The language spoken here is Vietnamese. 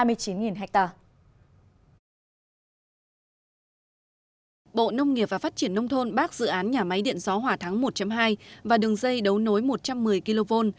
bộ nông nghiệp và phát triển nông thôn bác dự án nhà máy điện gió hòa thắng một hai và đường dây đấu nối một trăm một mươi kv